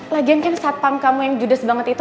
lagian kan satpam kamu yang judes banget itu